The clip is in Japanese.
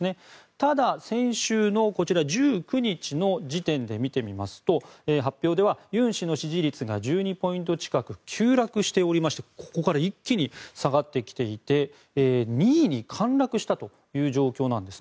ただ、先週の１９日の時点で見てみると発表ではユン氏に支持率が１２ポイント近く急落しておりましてここから一気に下がってきていて２位に陥落したという状況です。